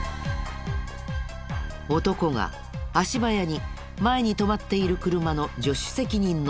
男が足早に前に止まっている車の助手席に乗り込んだ。